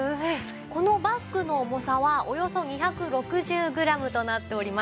このバッグの重さはおよそ２６０グラムとなっております。